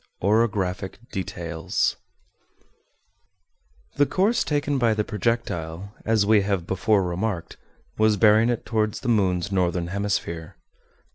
OROGRAPHIC DETAILS The course taken by the projectile, as we have before remarked, was bearing it toward the moon's northern hemisphere.